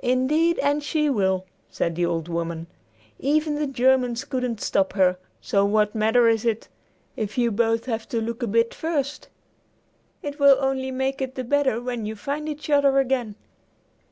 "Indeed and she will," said the old woman. "Even the Germans couldn't stop her; so what matter is it, if you both have to look a bit first? It will only make it the better when you find each other again."